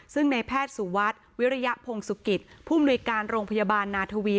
ซึ่งในแพทย์สุวัสดิ์วิริยพงศุกิจผู้มนุยการโรงพยาบาลนาธวี